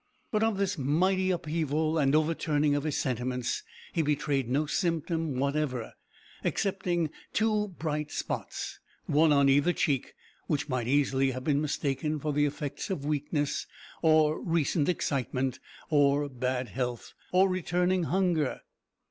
But of this mighty upheaval and overturning of his sentiments he betrayed no symptom whatever, excepting two bright spots one on either cheek which might easily have been mistaken for the effects of weakness, or recent excitement, or bad health, or returning hunger.